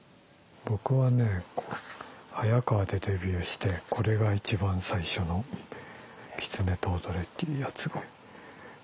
僕はねハヤカワでデビューしてこれが一番最初の「狐と踊れ」っていうやつが。